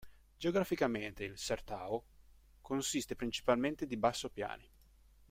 Geograficamente, il sertão consiste principalmente di bassopiani.